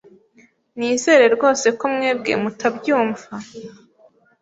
Nizere rwose ko mwebwe mutabyumva.